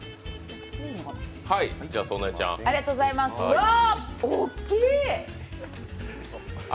うわ、大きい！